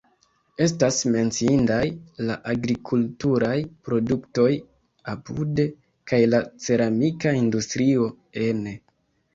Estas menciindaj la agrikulturaj produktoj (apude) kaj la ceramika industrio (ene).